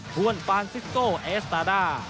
วนฟานซิโกเอสตาด้า